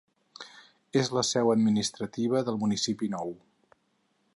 És la seu administrativa del municipi nou.